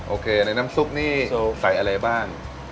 โอเคในน้ำซุปนี่ใส่อะไรบ้าง